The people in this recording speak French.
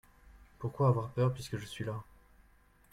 Pouquoi avoir peur puisque je suis là ?